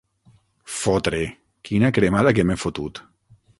Fotre, quina cremada que m'he fotut!